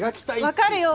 分かるよ。